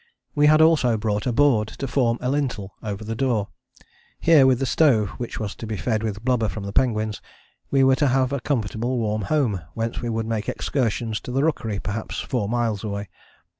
We had also brought a board to form a lintel over the door. Here with the stove, which was to be fed with blubber from the penguins, we were to have a comfortable warm home whence we would make excursions to the rookery perhaps four miles away.